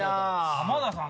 浜田さん